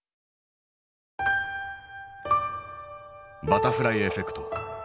「バタフライエフェクト」。